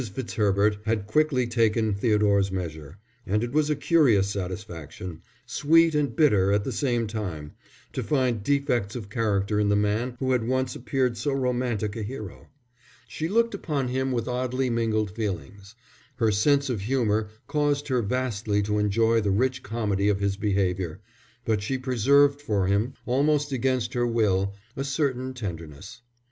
Fitzherbert had quickly taken Theodore's measure, and it was a curious satisfaction, sweet and bitter at the same time, to find defects of character in the man who had once appeared so romantic a hero. She looked upon him with oddly mingled feelings. Her sense of humour caused her vastly to enjoy the rich comedy of his behaviour, but she preserved for him, almost against her will, a certain tenderness.